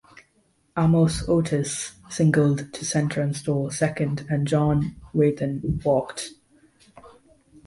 Amos Otis singled to center and stole second, and John Wathan walked.